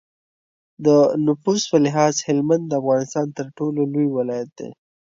د نفوس په لحاظ هلمند د افغانستان تر ټولو لوی ولایت دی.